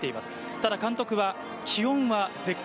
ただ監督は気温は絶好。